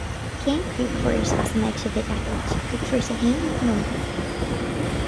Cén críochfort as a mbeidh sibh ag eitilt? Críochfort a haon nó a dó?